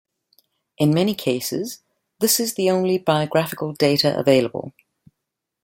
In many cases, this is the only biographical data available.